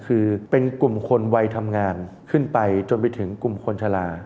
คือเป็นกลุ่มคนวัยทำงานขึ้นไปจนไปถึงกลุ่มคนชะลา